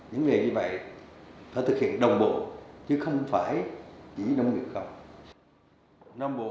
những nghề như vậy phải thực hiện đồng bộ chứ không phải chỉ nông nghiệp không